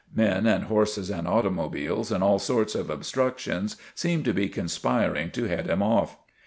Men and horses and automobiles and all sorts of obstructions seemed to be conspiring to head him off.